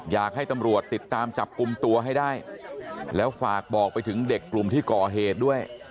อยากให้ตำรวจติดตามจับกลุ่มตัวให้ได้แล้วฝากบอกไปถึงเด็กกลุ่มที่ก่อเหตุด้วย